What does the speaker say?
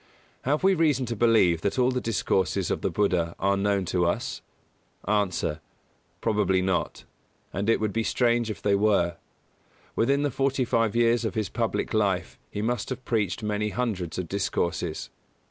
Have we reason to believe that all the discourses of the Buddha are known to us? A. Probably not, and it would be strange if they were. Within the forty five years of his public life he must have preached many hundreds of discourses.